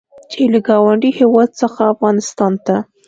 چې له ګاونډي هېواد څخه افغانستان ته